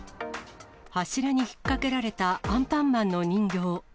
柱に引っ掛けられたアンパンマンの人形。